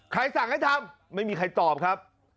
สั่งให้ทำไม่มีใครตอบครับ